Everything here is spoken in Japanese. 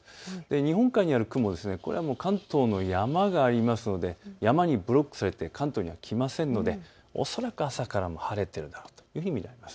日本海にある雲、これは関東の山がありますので山にブロックされて関東には来ませんので、恐らく朝から晴れているだろうと見られます。